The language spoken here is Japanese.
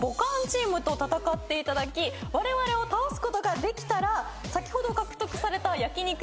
チームと戦っていただきわれわれを倒すことができたら先ほど獲得された焼肉